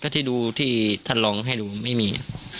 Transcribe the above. ก็ที่ที่ทัลลองให้รู้ไม่มี